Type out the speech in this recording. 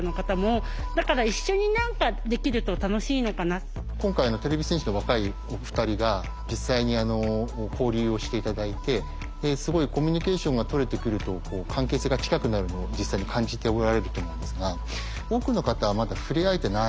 一つ皆さんが今回てれび戦士の若いお二人が実際に交流をして頂いてすごいコミュニケーションがとれてくると関係性が近くなるのを実際に感じておられると思うんですが多くの方はまだ触れ合えてない。